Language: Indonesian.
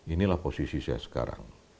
inilah posisi saya sekarang